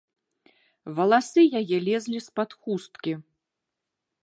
Валасы яе лезлі з-пад хусткі.